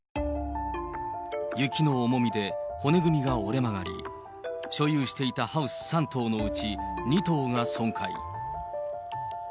雪の重みで骨組みが折れ曲がり、所有していたハウス３棟のうち、２棟が損壊。